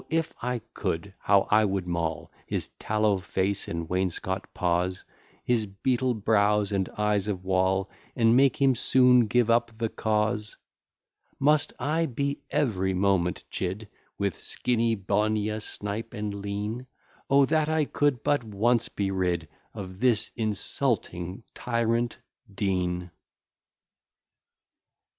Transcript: if I could, how I would maul His tallow face and wainscot paws, His beetle brows, and eyes of wall, And make him soon give up the cause! Must I be every moment chid With Skinnybonia, Snipe, and Lean? O! that I could but once be rid Of this insulting tyrant Dean!